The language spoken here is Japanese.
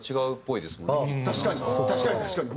確かに！